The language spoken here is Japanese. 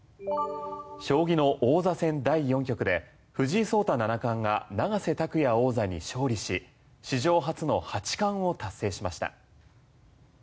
将棋の王座戦第４局で藤井聡太七冠が永瀬拓矢王座に勝利し史上初の８冠を達成しました。